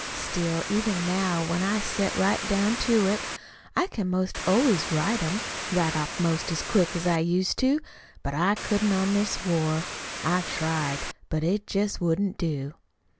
Still, even now, when I set right down to it, I can 'most always write 'em right off 'most as quick as I used to. But I couldn't on this war. I tried it. But it jest wouldn't do.